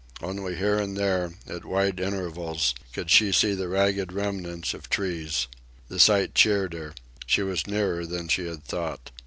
Only here and there, at wide intervals, could she see the ragged remnants of trees. The sight cheered her. She was nearer than she had thought.